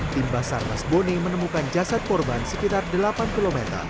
timbasar mas bone menemukan jasad korban sekitar delapan km